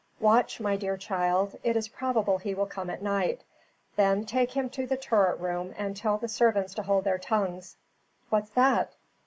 Watch, my dear child. It is probable he will come at night. Then take him to the turret room, and tell the servants to hold their tongues. What's that?"